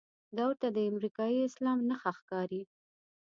دا ورته د امریکايي اسلام نښه ښکاري.